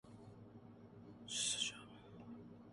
سشانت سنگھ کو قتل نہیں کیا گیا یہ خودکشی کا کیس ہے